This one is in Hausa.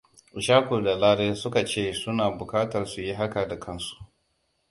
Ishakua da Lare suka ce suna bukatar su yi haka da kansu.